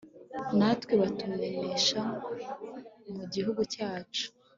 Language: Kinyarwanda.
natwe batumenesha mu gihugu cyacu